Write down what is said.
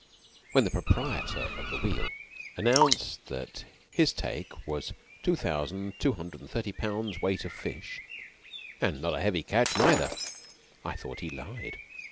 When the proprietor of the wheel announced that his take was two thousand two hundred and thirty pounds weight of fish, "and not a heavy catch neither," I thought he lied.